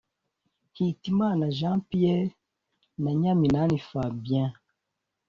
Hitimana Jean Pierre na Nyaminani Fabien